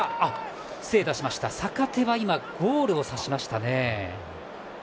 坂手はゴールを指しましたね。